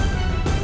aku mau ke rumah